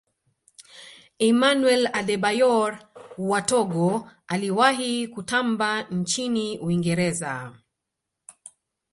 emmanuel adebayor wa togo aliwahi kutamba nchini uingereza